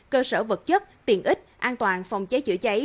cơ sở vật chất tiền ích an toàn phòng chế chữa cháy